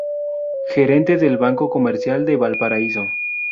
Gerente del Banco Comercial de Valparaíso.